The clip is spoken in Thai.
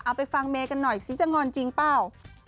ไปฟังเมย์กันหน่อยสิจะงอนจริงเปล่า